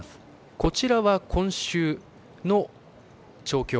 こちらは、今週の調教。